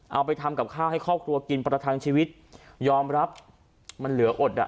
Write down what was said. เอาไปทำกับข้าวให้ครอบครัวกินประทังชีวิตยอมรับมันเหลืออดอ่ะ